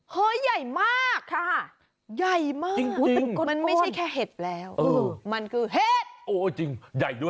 เหย่ยใหญ่มากค่ะมันไม่ใช่แค่เห็ดแล้วมันคือเห็ดโหจริงใหญ่ด้วย